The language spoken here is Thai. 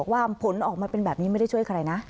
ว่าผลออกมาเป็นแบบนี้ไม่ได้ช่วยใครนะ